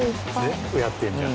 全部やってるじゃん。